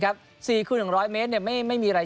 ความพร่อมของนักกีฬา